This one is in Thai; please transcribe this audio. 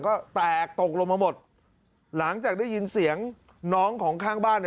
ก็แตกตกลงมาหมดหลังจากได้ยินเสียงน้องของข้างบ้านเนี่ย